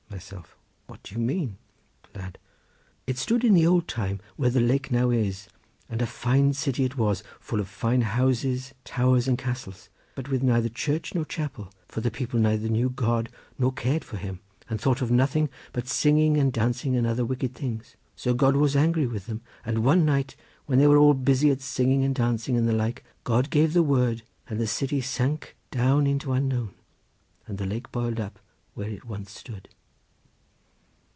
Myself.—What do you mean? Lad.—It stood in the old time where the lake now is, and a fine city it was, full of fine houses, towers and castles, but with neither church nor chapel, for the people neither knew God nor cared for Him, and thought of nothing but singing and dancing and other wicked things. So God was angry with them, and one night, when they were all busy at singing and dancing and the like, God gave the word and the city sank down into Unknown, and the lake boiled up where it once stood.